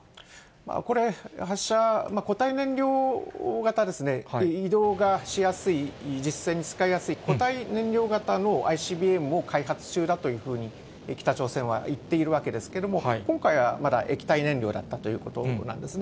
これ、発射、固体燃料型ですね、移動がしやすい、実戦に使いやすい固体燃料型のＩＣＢＭを開発中だというふうに、北朝鮮は言っているわけですけれども、今回はまだ液体燃料だったということなんですね。